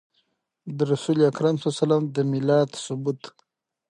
د رسول اکرم صلی الله عليه وسلم د ميلاد ثبوت